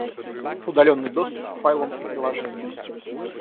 Удаленный доступ к файлам и приложениям